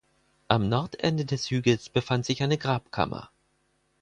Am Nordende des Hügels befand sich eine Grabkammer.